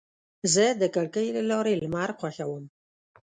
زه د کړکۍ له لارې لمر خوښوم.